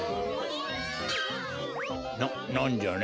ななんじゃね？